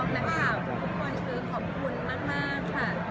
คุณก็คือขอบคุณมากค่ะ